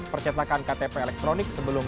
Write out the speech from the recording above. percetakan ktp elektronik sebelum